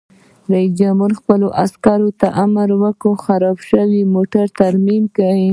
رئیس جمهور خپلو عسکرو ته امر وکړ؛ خراب شوي موټر ترمیم کړئ!